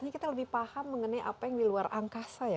ini kita lebih paham mengenai apa yang di luar angkasa ya